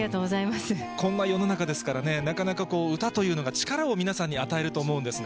こんな世の中ですからね、なかなかこう、歌というのが力を皆さんに与えると思うんですが。